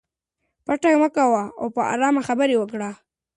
پټکه مه کوه او په ارامه خبرې وکړه.